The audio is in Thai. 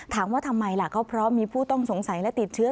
ถามว่าทำไมล่ะก็เพราะมีผู้ต้องสงสัยและติดเชื้อ